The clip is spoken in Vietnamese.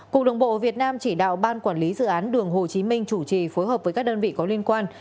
cục đường bộ việt nam chỉ đạo ban quản lý dự án đường hồ chí minh chủ trì phối hợp với các đơn vị có liên quan